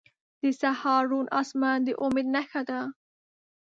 • د سهار روڼ آسمان د امید نښه ده.